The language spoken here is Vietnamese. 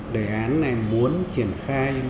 đề án này muốn triển khai nhân rộng